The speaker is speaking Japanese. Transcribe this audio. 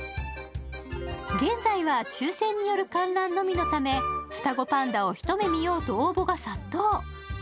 現在は抽選による観覧のみのため、双子パンダを一目見ようと応募が殺到。